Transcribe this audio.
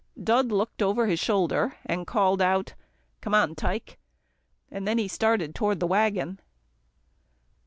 Dud looked over his shoulder, and called out, "Come on, Tike," then he started toward the waggon.